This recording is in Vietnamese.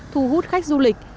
thu hút khách du lịch